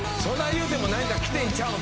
言うても何か着てんちゃうん？